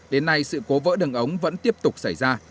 đến nay sự cố vỡ đường ống vẫn tiếp tục xảy ra